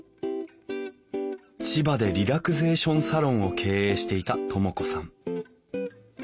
千葉でリラクゼーションサロンを経営していた智子さん。